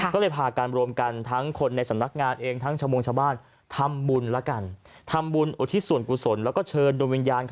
ก็เลยพาการรวมกันทั้งคนในสำนักงานเองทั้งชาวบรรณชาวบ้าน